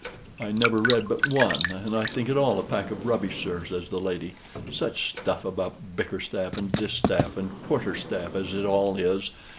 "I never read but one, and think it all a pack of rubbish, sir," says the lady. "Such stuff about Bickerstaffe, and Distaff, and Quarterstaff, as it all is!